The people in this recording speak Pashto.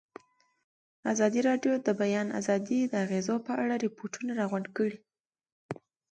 ازادي راډیو د د بیان آزادي د اغېزو په اړه ریپوټونه راغونډ کړي.